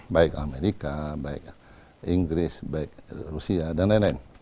baik amerika baik inggris baik rusia dan lain lain